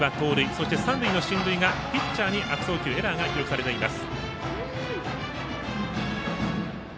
そして、三塁の進塁がピッチャーに悪送球エラーが記録されています。